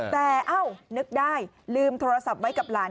แต่เอ้านึกได้ลืมโทรศัพท์ไว้กับหลาน